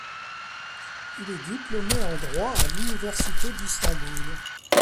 Il est diplômé en droit à l'Université d'Istanbul.